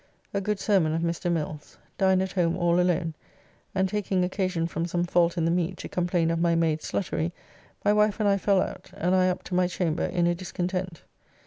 A good sermon of Mr. Mills. Dined at home all alone, and taking occasion from some fault in the meat to complain of my maid's sluttery, my wife and I fell out, and I up to my chamber in a discontent.